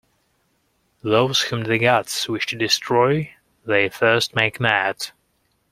Those whom the gods wish to destroy, they first make mad.